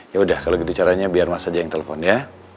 ya udah kalau gitu caranya biar mas aja yang telepon ya